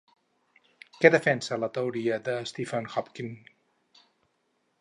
Què defensa la teoria de Stephen Hawking?